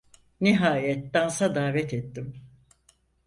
Nihayet dansa davet ettim.